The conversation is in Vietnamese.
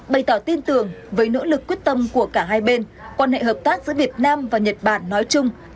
bày tỏ tin tưởng với nỗ lực quyết tâm của cả hai bên quan hệ hợp tác giữa việt nam và nhật bản nói chung